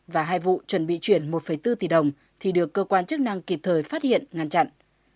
và hai vụ chuẩn bị chuyển một bốn tỷ đồng thì được cơ quan chức năng kịp thời phát hiện ngăn chặn